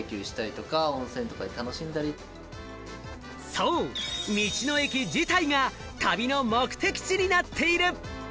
そう、道の駅自体が旅の目的地になっている！